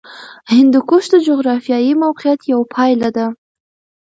هندوکش د جغرافیایي موقیعت یوه پایله ده.